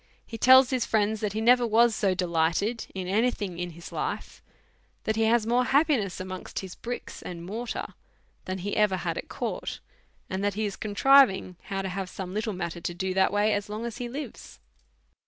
He tells his friends that he never was so R 4 136 A SERIOUS CALL TO A delighted in any thing* in his life ; that he has more happiness amongst his brick and mortar than ever )ie had at court ; and that he is contriving how to have some little matter to do that way as long as he lives.